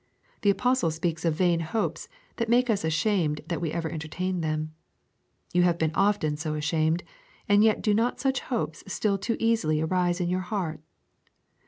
The Apostle speaks of vain hopes that make us ashamed that we ever entertained them. You have been often so ashamed, and yet do not such hopes still too easily arise in your heart?